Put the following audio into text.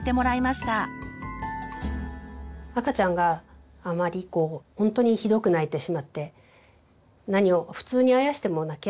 赤ちゃんがあまりこうほんとにひどく泣いてしまって普通にあやしても泣きやまない時はですね